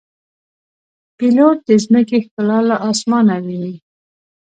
پیلوټ د ځمکې ښکلا له آسمانه ویني.